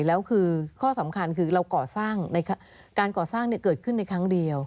แล้วคือข้อสำคัญคือเราก่อสร้างในการก่อสร้างเกิดขึ้นในครั้งเดียว